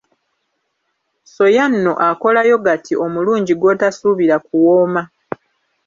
Ssoya nno akola yogati omulungi gwotasuubira kuwooma.